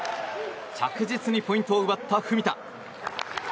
着実にポイントを奪った文田。